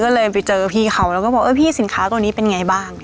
ก็เลยไปเจอพี่เขาแล้วก็บอกเออพี่สินค้าตัวนี้เป็นไงบ้าง